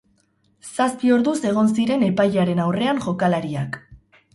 Zazpi orduz egon ziren epailearen aurrean jokalariak.